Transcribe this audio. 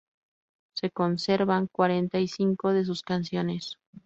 Se conservan cuarenta y cinco de sus canciones.